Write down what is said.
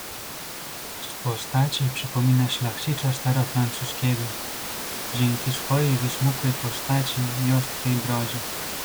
"Z postaci przypomina szlachcica starofrancuskiego, dzięki swojej wysmukłej postaci i ostrej brodzie."